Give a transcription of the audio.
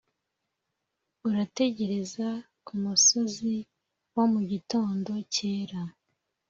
urategereza kumusozi wa mugitondo cyera,